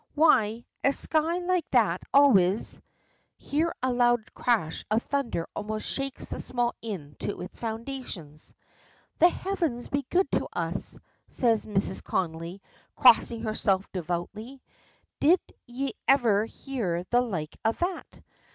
Why, a sky like that always " Here a loud crash of thunder almost shakes the small inn to its foundations. "The heavens be good to us!" says Mrs. Connolly, crossing herself devoutly. "Did ye iver hear the like o' that?"